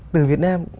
từ việt nam